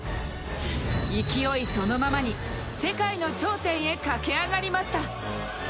勢いそのままに、世界の頂点へ駆け上がりました。